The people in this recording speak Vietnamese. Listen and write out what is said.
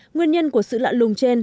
nguyên nhân của sự lạ lùng trên